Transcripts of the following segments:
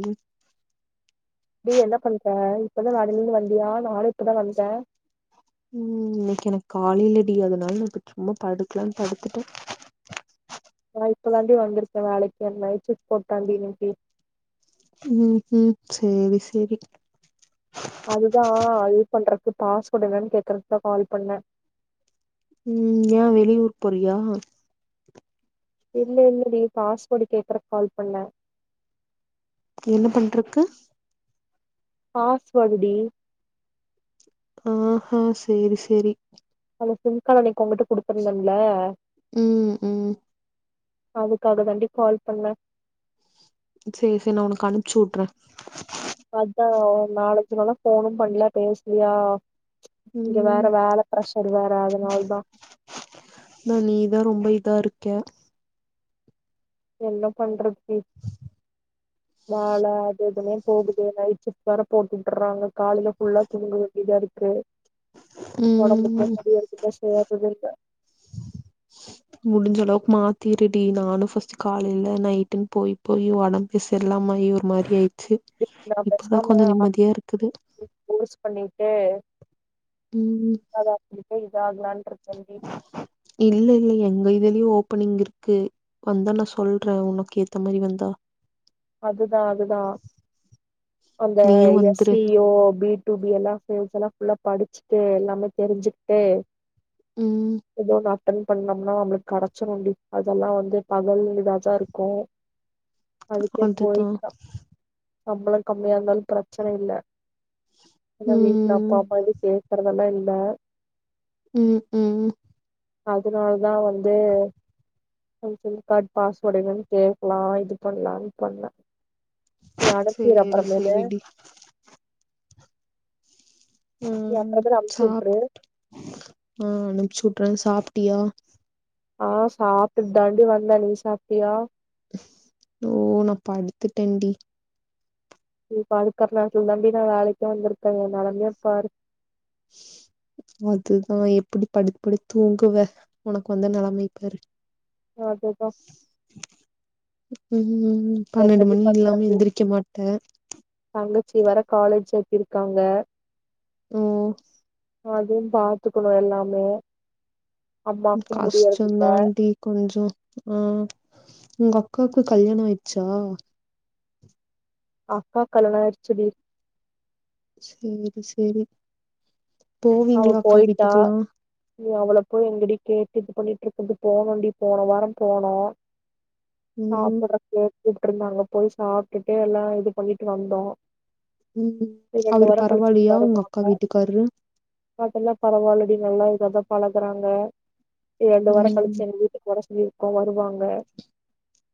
உம் நீ என்ன பண்றே இப்பதா வேலையல இருந்து வந்தியா நானு இப்பதா வந்தே உஹம் இன்னைக்கு எனக்கு காலையில டி அதுனால நா இப்ப சும்மா படுக்கலாம்னு படுத்துட்டே இப்ப தான்டி வந்துருக்கே வேலைக்கு போனு நைட் சிஃப்ட் போட்டாண்டி இன்னைக்கு உம் உம் செரி செரி ஃபாஸ்வேடு என்னன்னு கேக்குறதுக்குதா கால் பண்ணே உம் ஏ வெளியூர் போறியா இல்ல இல்ல டி பாஸ்வேர்டு கேக்குறதுக் கால் பண்ண என்ன பண்றக்கு ஃபாஸ்வர்டு டி ஆஹ் ஹா செரி செரி அந்த சிம் கார்ட் அன்னைக்கு உக்கிட்ட குடுத்துருந்தேன்ல ம் ம் அதுக்காக தாண்டி கால் பண்ண செரி செரி நா உனக்கு அனுப்பிச்சுட்றே அதா நாலஞ்சு நாளா போனு பண்ல பேசலியா இங்க ம் வேற வேல பிரஷர் வேற அதனால தா கியா என்ன பண்றது ம் வேல அது எதுனே போகுது நைட் ஷிப்ட் வேற போட்டுட்டுறாங்க காலையில ஃபுல்லா தூங்க வேண்டியதா இருக்கு உடம்பு ம் [unintelligible] முடிஞ்ச அளவுக்கு மாத்திருடி நானும் ஃபர்ஸ்ட் காலைல நைட்டுன் போய் போய் உடம்பே சரி இல்லாம ஒரு மாரி ஆயிடுச்சு நா இப்பதா பேசாம கொஞ்ச ஆர்மி நிம்மதியா இருக்குது கோர்ஸ் பண்ணிட்டு ம் ஜாப் இல்ல இல்ல எங்க இதுலயு ஓபணிங் இருக்கு வந்தா நா சொல்ற உனக்கு ஏத்த மாரி வந்தா அதுதா அதுதா அந்த நீயும் எஸ் வந்துரு இ ஓ பி டு பி எல்லா சேல்ஸ் எல்லா உள்ள படிச்சுட்டு எல்லாமே தெரிஞ்சுகிட்டு ம் எதோ ஒன்னு அட்டென் பண்ணோம்னா நம்மளுக்கு கிடைச்சுரும்டி அதெல்லா வந்து பகல் இதாதான் இருக்கு அதுதான் போய்க்லா சம்பள கம்மியா இருந்தாலு பிரச்சன இல்ல ஏனா வீட்ல ம் அப்பா அம்மா வந்து கேக்குறதெல்லா இல்ல ஆ ம் ம் அதனாலதா வந்து சிம் கார்ட் பாஸ்வேர்டையும் கேட்கலாம் இது பண்ணலானு பண்ண நீ அடத்தீர் சேரி அப்புறமேலு சேரிடி நீ ம் அப்றமேலு சாப் அனுப்ச்சுற்று றன் சாப்ட்டியா ஆ சாப்ட்டுட்டு தாண்டி வந்த நீ சாப்ட்டியா ஓ நா படுத்துட்டேன்டி இப்ப அது கருநாக்குல தான்டி நா வேலைக்கு வந்திருக்கே எனெலமைய பாரு அதுதா எப்டி படுத் படுத் தூங்குவ உனக்கு வந்த நெலமையப்பாரு அதுதா ம் ம் பன்னெண்டு என்னடி மணி இல்லாம பண்றது எந்திரிக்க மாட்ட வர காலேஜ் எத்திருக்காங்க ம் அதையு பாத்துக்குணு எல்லாமே அம்மாக்கு கஷ்டம் முடியறதில்ல தாண்டி கொஞ்சோ ம் உங்க அக்காக்கு கல்யாண ஆயிட்ச்சா அக்கா கல்யாண ஆயிச்சு டீ சேரி சேரி அவ போவீங்களா அக்கா போயிட்டா வீட்டுக்கெல்லா நீ அவளப்போய் எங்கடி கே இது பண்ணிட்டுருக்குது போனோன்டி போன வாரொ போனோ ம் சாப்புட்றக்கு கூப்டுருந்தாங்க போய் சாப்டுட்டு எல்லா இது பண்ணிட்டு வந்தோ உம் நீ ரெண்டு அவரு வாரோ கழிச்சு நீ பரவாயில்லியா வரு உங்க அக்கா வீட்டுக்காரு அதெல்லா பரவால்லடி நல்லா இதாதா பழகுறாங்க இரண்டு வாரம் ம் கழிச்சு எங்க வீட்டுக்கு வர சொல்லி அவ வருவாங்க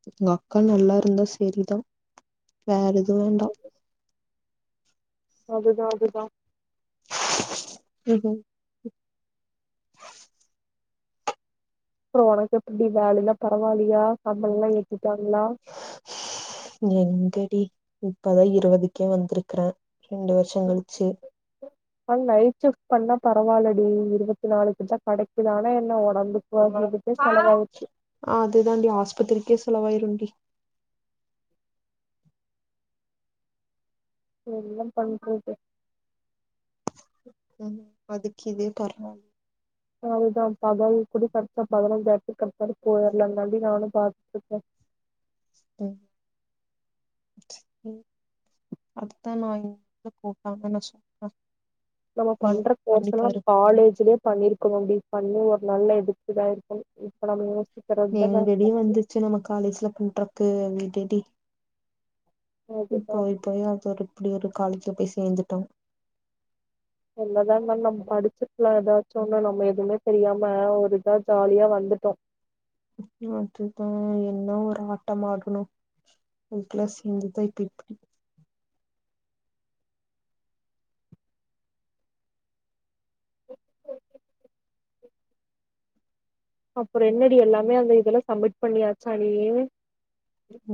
ஒங்க அக்கா நல்லா இருந்தா செரிதா வேற எது வேண்டா அதுதா அதுதா ஹூஹு அப்புறொ உனக்கு எப்படி வேல எல்லா பரவாலியா சம்பள எல்லா ஏத்தி எங்கடி இப்பதா இருவதுக்கே வந்திருக்கறே ரெண்டு வருஷங் கழிச்சு அன் நைட் ஷிஃப்ட் பண்ணா பரவாலடி இருவத்தி நாலுக்கிட்ட கெடக்கிதா ஆனா என்ன ஒடம்புக்கு அது இதுக்கு செலவாவுது அதுதான்டி ஆஸ்பத்திரிக்கே செலவாயிரும்டி என்ன பண்றது ஹூஹ் அதுக்கு இதே பரவால அதுதா பகல் குட கரெக்ட்டா பதநஞ்சாயிரத் கம்பனி போயிரலான்தான்டி நானு பாத்துருக்கே ம் சரி அதுதா நா [unintelligible] நம்ம நீ பண்ற வந்து கோர்ஸ் எல்லா நம் பண்ணிப்பாரு காலேஜ்லே பண்ணிருக்கணோ டி பண்ணி ஒரு நல்ல இதுக்குட இருக்கனு இப்ப நம்ம யோ எங்கடி வந்துச்சு நம்ம காலேஜ்ல பண்றக்கு டிடி அதுதான் போய் போய அது ஒரு இப்படி ஒரு காலேஜ் போய் சேந்துட்டோ என்னதா நம் படிச்சுக்கலா ஏதாச்சோ நம்ம எதுவுமே தெரியாம ஒரு இதா ஜாலியா வந்துட்டோம் அதுதா என்ன ஒரு ஆட்டம் ஆடணோ அதுக்கெல்லா சேந்துதா இப்ப இப்படி அப்புறோ என்னடி எல்லாமே அந்த இதுல சம்மிட் பண்ணியாச்சா டி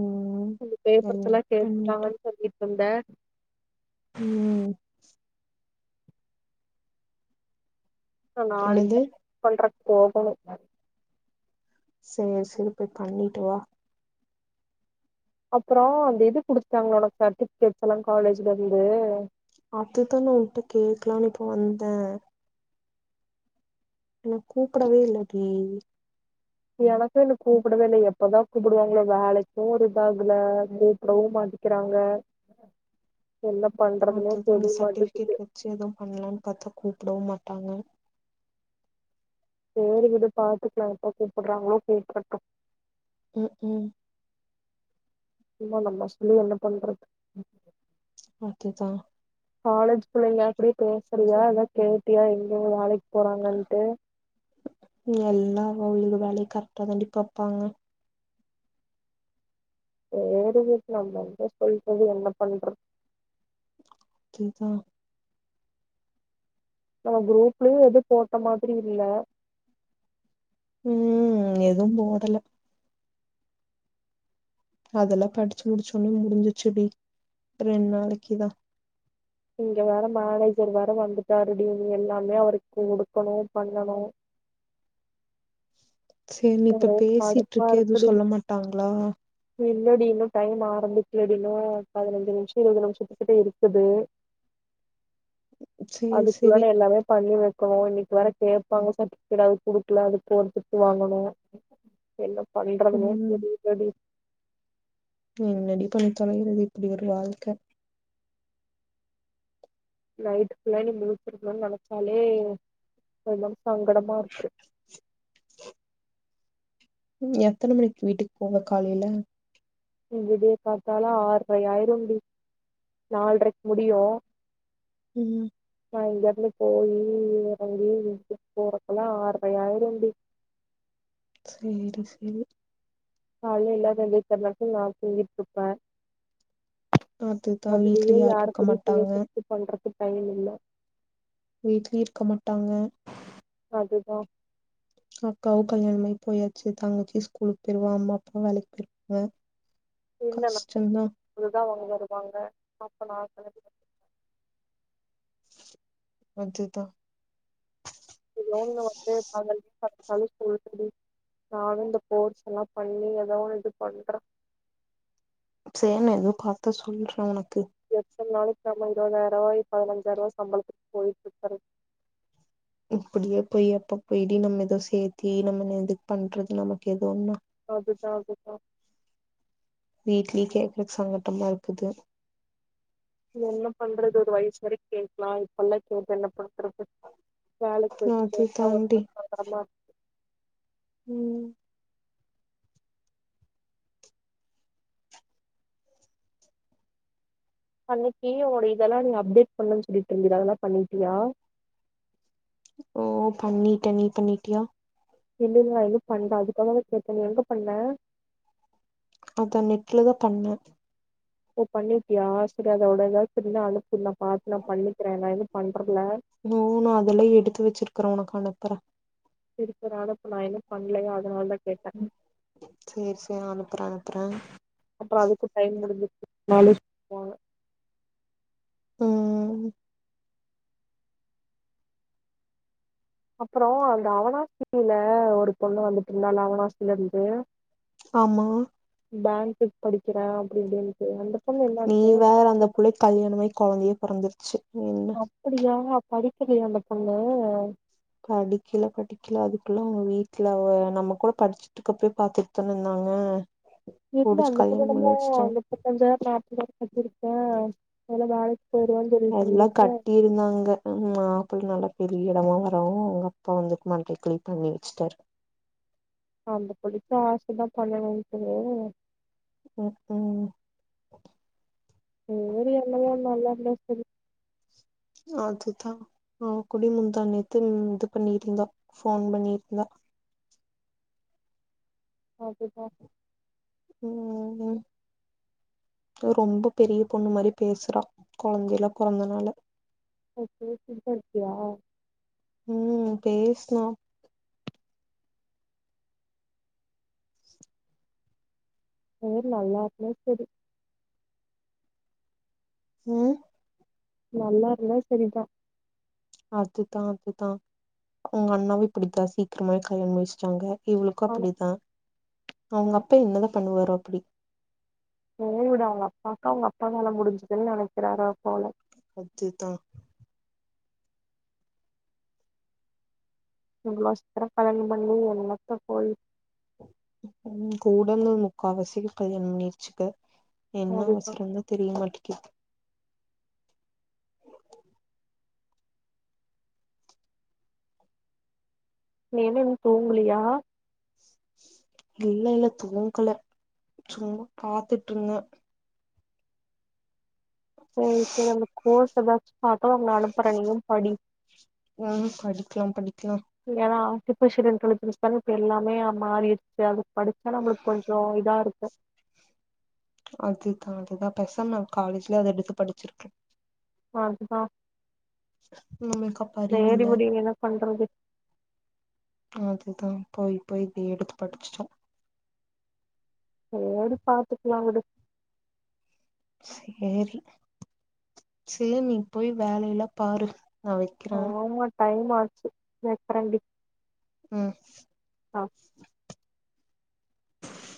ம் இந்த எல்லா பேப்பர்ஸ்லா கேட்டுதா பண்ணிட்ட [unintelligible] ம் த நாளைக்கு என்னது பண்ற போகணு சேரி சேரி போய் பண்ணிட்டு வா அப்பறொ அந்த இது குடித்துட்டாங்களா ஒனக் சர்ட்டிபிகேட்ஸெல்லா காலேஜ்ல இருந்து அதுதான் நா ஒன்ட்ட கேக்கலான்னு இப்ப வந்தே ஆனா கூப்புடவே இல்லடி எனக்கு இன்னு கூப்புடவே இல்ல எப்பதா கூப்புடுவாங்களோ வேலைக்கு ஒரு இதாகல கூப்புடவு மாட்டேக்கிறாங்க அதுதா அந்த சர்டிஃபிகேட் வச்சு எதுவும் பண்ணலானு பாத்தா கூப்புடவும் மாட் டாங்க சேரி விடு பாத்துக்கலா எப்போ கூப்புடுறாங்களோ கூப்டட்டு உம் உம் சும்மா நம்ம சொல்லி என்ன பண்றது ஓகேக்கா காலேஜ் பிள்ளைங்க யார் கூடயு பேசுறீயா எதான் கேட்டியா எங்க வேலைக் எல்லா அவாளுது வேலைய கரெக்டா தாண்டி பாப்பாங்க சேரி விட் நம்ம எங்க சொல்றது என்ன பண்ற கேக்தா நம்ம குரூப்லயு எது போட்ட மாதிரி இல்ல உம் எதுவும் போடல அதெல்லா படிச்சு முடிச்சோனே முடிஞ்சுச்டி ரெண்டு நாளைக்குதா இங்க வேற மேனேஜர் வேற வந்துட்டாருடி எல்லாமே அவருக்கு கொடுக்கணும் பண்ணணும் சேரி நீ இப்ப பேசிட்ருகியே எதுவும் சொல்ல மாட்டாங்களா இல்லாடி இன்னும் டைம் ஆரம்பிக்கலடி இன்னும் பதினைஞ்சு நிமிஷம் இருபது நிமிஷத்துக்கிட்ட இருக்குது சேரி சேரி அதுக்குள்ளனா எல்லாருமே பண்ணி வச்ச ஓ இன்னைக்கு வர கேட்பாங்க சர்டிபிகேட் அது குடுக்கல அதுக்கு ஒருத்து வாங்கணும் என்ன பண்றதுனே தெரில டி என்னாடி பண்ணி தொலைறது இப்படி ஒரு வாழ்க்கை நைட்டு ஃபுல்லா இன்னிக்கு முளிச்சிருக்கனு நினைச்சாலே கொஞ்சம் சங்கடமா இருக்கு எத்தனை மணிக்கு வீட்டுக்கு போவ காலைல விடிய காத்தால ஆறரை ஆய்ரும்டி நால்ரைக்கு முடியும் உம் நான் இங்கிருந்து போயி இறங்கி போறக்கெல்லாம் ஆரை ஆய்ரும்டி சேரி சேரி காலைல எல்லாரும் எந்திரிக்கற நேரத்துல நா துங்கிட்டு இருப்பேன் அதுதா வீட்ல அதுலேயே யாரு இருக்க கூடியே மாட்டாங்க பேச்றது பண்றது பயனில்ல வீட்லயு இருக்க மாட்டாங்க அதுதான் அக்காவும் கல்யாண பண்ணி போயாச்சு தாங்கச்சி ஸ்கூலுக்கு போயிருவா அம்மா அப்பா வேலைக்கு போயிருவாங்க இல்ல ந கஷ்டந்தா அஇதுதான் உங்க வாங்க அப்ப நான் அதுதான் அவுங்க வந்து பதல்வி பச்சாலும் சொல்ல நானும் இந்த ஃபோர்ஸ் எல்லாம் பண்ணி ஏத ஒண்ணு இது பண்றேன் சே ந எதவும் பார்த்த சொல்றேன் உனக்கு பி இ நாளைக்கு நம்ம இருபதாயிரம் ரூபாய் பதினஞ்சாயிரம் ரூபாய் சம்பளத்துக்கு போயிட்டு இருக்கரு அப்படியே போய் அப்ப போயி்ட்டி நம்ம ஏதோ சேரத்தி நம்ம எதுக்கு பண்றது நமக்கு எதன்னா அதுதா அதுதா வீட்டிலே கேக்கறக்கு சங்கட்டம இருக்குது நீ என்ன பண்றது ஒரு வயசு வரைக்கும் கேட்கலாம் இப்பெல்லாம் கே என்ன பண் றது வேலைக்கு போயிட்டு அது பேசா ஒரும் சொறமா இருக்கு உம் அன்னைக்கு உட இதெல்லாம் நீ அப்டேட் பண்ணன்னனு சொல்லிட்டு இருந்தத அதெல்லாம் பண்ணிட்டியா ஓ பண்ணிட்ட நீ பண்ணிட்டியா இல்ல நா எது பண்றன் அதுக்காக கேட்ட நீ எங்க பண்ண அதான் நெட்டு்லதான் பண்ணேன் ஓ பண்ணிருக்கியா சரி அதோட ஏதாவதுச்சரிா அனுப்புது நான் பாார்த்து நான் பண்ணிக்கிறேன் நான் எதுவும் பண்றல ஓ நான் அதெல்ல எடுத்து வச்சிருக்கறேன் உனக்கு அனுப்புறேன் சிருப்பரான இப்ப நான் என்ன பண்ணலையோ அதனால தான் கேட்டேன் செரி செரி நான் அனுப்புறேன் அனுப்புறேன் நானு போவ உம் அப்புறோ அந்த அவனாசில ஒரு பொண்ணு வந்துட்டு இருந்தா நா அவனாசில இருந்து ஆமா பேங்குக்கு படிக்கிற அப்படின்னு சொல்ட்டு அந்த பொண்ணு நீ என்னாச்சு வேற அந்த புள்ளைக்கு கல்யாணம் ஆகி குழந்தையே பொறந்திருச்சு அப்படியா படிக்கலயா அந்தப் பொண்ணு படிக்கல படிக்கல அதுக்குள்ள அவுங்க வீட்ல நம்ம கூட படிச்சிட்டுக்கப்பயே பாத்துட்டுதானே இருந்தாங்க வீட்ல புடிச்சு அந்த பொண்ணு கல்யாணம் என்னமோ பண்ணி வச்சுட்டாங்க முப்பத்தஞ்சாயிரோ நாற்பதாயிரோ கட்டிருக்க ல்லா வேலைக்கு போயிருவேன்னு சொல்லிட்டு எல்லா இருந்துச்சு கட்டியிருந்தாங்க மாப்ள நல்லா பெரிய இடமா வரவூ அவுங்க அப்பா வந்து மண்டைய கழுவி பண்ணி வெச்சிட்டாரு அந்த புள்ளைக்கு ஆசதா சொல்லாம இருக்குது ம் உஹூ சேரி என்னமோ நல்லா இருந்தா சேரி அதுதா ஆஹ் குடிமுந்தா நேத்து இது பண்ணிருந்தா போன் பண்ணியிருந்தா அதுதா உம் ரொம்ப பெரிய பொண்ணு மாரி பேசுறா கொழந்தயெல்லா பொறந்ததுனால அப்போ பேசிட்டுதா இருக்கியா நா சேரி நல்லா இருந்தா சேரி உம் நல்லா இருந்தா செரிதா அதுதா அதுதா அவுங்க அண்ணாவு இப்டித்தா சீக்கிரமாவே கல்யாணோ மூய்ச்சிட்டாங்க இவளுக்கு ஆனா அப்டித்தா போ அவுங்க அப்பா என்னதா பண்ணுவாரோ அப்டி சேரி விடு அவுங்க அப்பாக்கு அவுங்க அப்பா வேல முடிஞ்சதுன்னு நெனைக்கிறா போல அதுதா இவ்ளோ அஸ்திர கல்யாணம் பண்ணி என்னத்த போயி உம் கூட இருந்த முக்காவாசிக்கு கல்யாணோ பண்ணிருச்சுக என்ன அதுதான். அவசரந்தா தெரிய மாட்டீங்கிது நீ என்ன இன்னு தூங்கலயா இல்ல இல்ல தூங்கல சும்மா பாத்துட்டு இந்த சேரி சேரி அந்த கோர்ஸ் எதாச்சு பாக்கலா உன்ன அனுப்புற நீயு படி ம் படிக்லா படிக்லா ஏனா திப்ப சீரன் கழுத்தச்சான இப்ப எல்லாமே மாறிடுச்சு அது படிச்சாலு நம்ளுக்கு கொஞ்சோ இதா இருக்கு அதுதா அதுதா பேசாம நாம காலேஜ்லயே அத எடுத்து படிச்சிருக்கலா அதுதா நம்மளுக்கு அப்ப சேரி அறிவில்ல வுடு என்ன பண்றது அதுதா போய் போய் இத எடுத்து படிச்சிட்டோ சேரி பாத்துக்கலா விடு சேரி சேரி நீங் போய் வேலயிலா பாரு நா வெக்கிறே மாச்சு வெக்கறேன்டி ம் ஆ